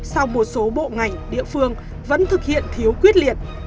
sau một số bộ ngành địa phương vẫn thực hiện thiếu quyết liệt